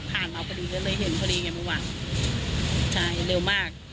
มาพอดีก็เลยเห็นพอดีไงเมื่อวานใช่เร็วมาก